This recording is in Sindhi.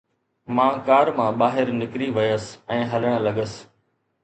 مان ڪار مان ٻاهر نڪري ويس ۽ هلڻ لڳس.